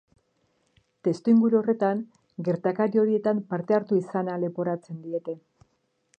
Testuinguru horretan, gertakari horietan parte hartu izana leporatzen diete.